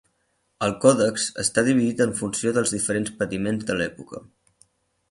El Còdex està dividit en funció dels diferents patiments de l'època.